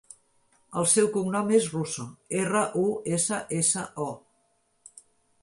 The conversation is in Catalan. El seu cognom és Russo: erra, u, essa, essa, o.